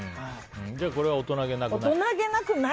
これは大人げなくない？